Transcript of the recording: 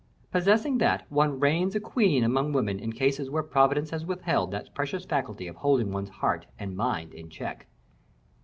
Possessing that, one reigns a queen among women in cases where Providence has withheld that precious faculty of holding one's heart and mind in check."